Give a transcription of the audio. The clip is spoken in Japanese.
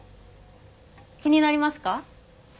気になりますか？